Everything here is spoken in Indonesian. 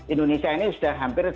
indonesia ini sudah halus